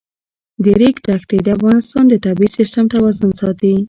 د ریګ دښتې د افغانستان د طبعي سیسټم توازن ساتي.